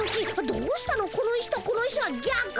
どうしたのこの石とこの石はぎゃく。